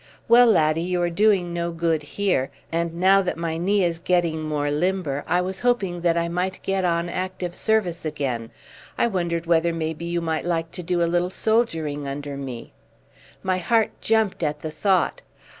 "Well, laddie, you are doing no good here, and now that my knee is getting more limber I was hoping that I might get on active service again. I wondered whether maybe you might like to do a little soldiering under me." My heart jumped at the thought.